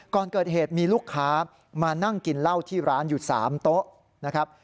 ก่อนเกิดเหตุมีลูกค้ามานั่งกินเหล้าที่ร้านอยู่๓โต๊ะนะครับ